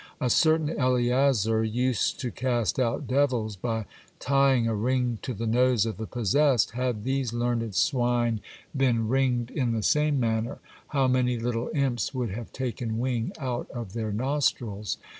A certain Eleazar used to cast out devils, by tying a ring to the nose of the possessed ; had these learned swine been ringed in the same manner, how many little imps would have taken wing out of their nostrils